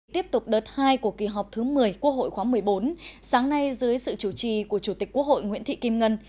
tiếp tục đợt hai của kỳ họp thứ một mươi quốc hội khóa một mươi bốn sáng nay dưới sự chủ trì của chủ tịch quốc hội nguyễn thị kim ngân